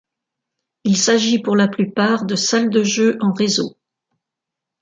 Il s'agit pour la plupart de salles de jeux en réseau.